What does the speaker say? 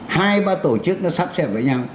cái ba tổ chức nó sắp xếp với nhau